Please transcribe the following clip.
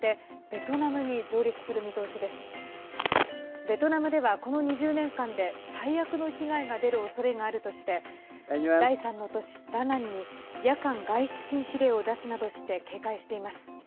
ベトナムでは、この２０年間で最悪の被害が出るおそれがあるとして第３の都市ダナンに夜間外出禁止令を出すなどして警戒しています。